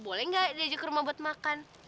boleh gak dia ajak ke rumah buat makan